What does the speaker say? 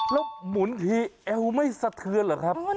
แล้วหมุนทีเอวไม่สะเทือนเหรอครับ